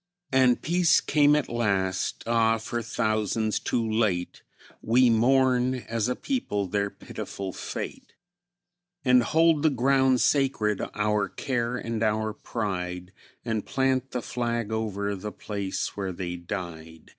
And peace came at last. Ah! for thousands too late; We mourn, as a people, their pitiful fate, And hold the ground sacred, our care and our pride, And plant the flag over the place where they died.